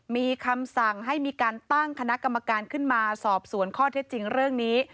มีคำสั่งให้มีการตั้งคณะกรรมการขึ้นมาสอบสวนข้อเท็จจริงเรื่องนี้